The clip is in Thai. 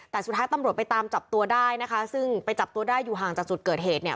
แต่สุดท้ายตำรวจไปตามจับตัวได้นะคะซึ่งไปจับตัวได้อยู่ห่างจากจุดเกิดเหตุเนี่ย